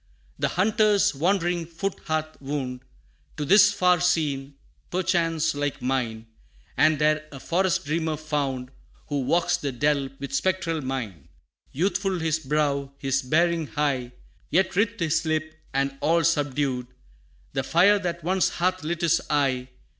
The hunter's wandering foot hath wound, To this far scene, perchance like mine, And there a Forest Dreamer found, Who walks the dell with spectral mien. Youthful his brow, his bearing high Yet writhed his lip, and all subdued, The fire that once hath lit his eye.